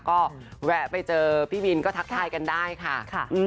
ก็แวะไปเจอพี่บินก็ทักทายกันได้ค่ะ